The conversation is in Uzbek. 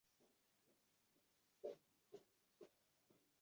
Yel bo’lib, o’t bo’lib yonimga –